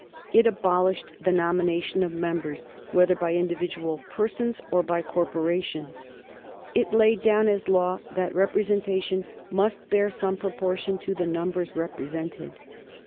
It abolished the nomination of members, whether by individual persons or by corporations. It laid down as law that representation must bear some proportion to the numbers represented.